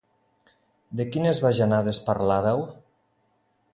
De quines bajanades parlàveu?